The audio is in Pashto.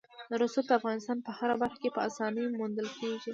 رسوب د افغانستان په هره برخه کې په اسانۍ موندل کېږي.